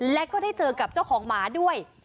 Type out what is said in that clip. และก็ได้เจอกับเจ้าของหมาด้วย